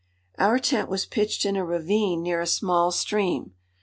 ] Our tent was pitched in a ravine near a small stream.